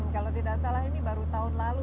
kalau tidak salah ini baru tahun lalu